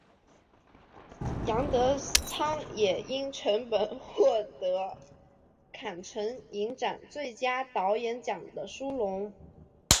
杨德昌也因本片获得坎城影展最佳导演奖的殊荣。